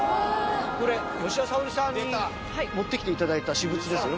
これ吉田沙保里さんに持ってきて頂いた私物ですよね？